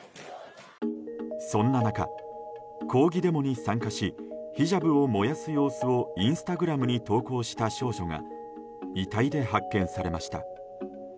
そんな中、抗議デモに参加しヒジャブを燃やす様子をインスタグラムに投稿した少女が遺体で発見されました。